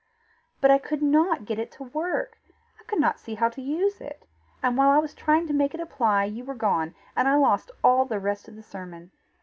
But I could NOT get it to work; I could not see how to use it, and while I was trying how to make it apply, you were gone, and I lost all the rest of the sermon.